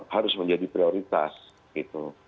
harus menjadi prioritas gitu